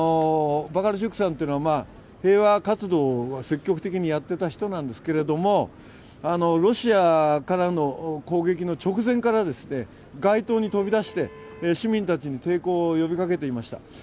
バカルチュークさんというのは平和活動を積極的にやっていた人なんですけれども、ロシアからの攻撃の直前から街頭に飛び出して市民たちに抵抗を呼びかけていました。